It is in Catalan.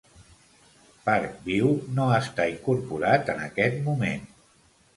Park View no està incorporat en aquest moment.